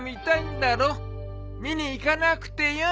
見に行かなくてよし。